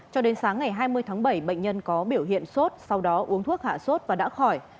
cho đến sáng ngày hai mươi tháng bảy bệnh nhân có biểu hiện sốt sau đó uống thuốc hạ sốt và đã khỏi